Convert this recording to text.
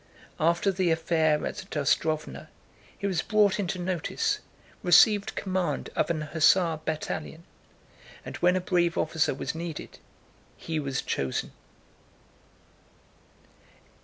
After the affair at Ostróvna he was brought into notice, received command of an hussar battalion, and when a brave officer was needed he was chosen.